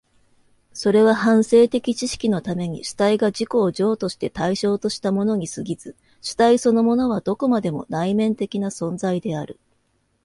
それは反省的知識のために主体が自己を譲渡して対象としたものに過ぎず、主体そのものはどこまでも内面的な存在である。